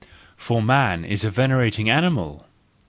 For man is a venerating animal!